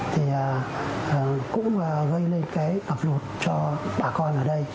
là cũng gây lên cái ngập lụt cho bà con ở đây